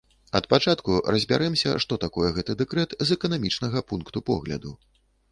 Ад пачатку разбярэмся, што такое гэты дэкрэт з эканамічнага пункту погляду.